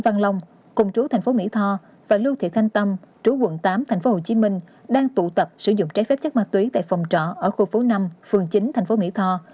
anh tâm trú quận tám tp hcm đang tụ tập sử dụng trái phép chất ma túy tại phòng trọ ở khu phố năm phường chín tp mỹ tho